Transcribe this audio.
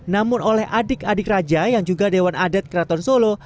namun oleh adik adik raja yang juga dewan adat keraton solo